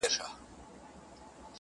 • دا پاته عمر ملنګي کوومه ښه کوومه,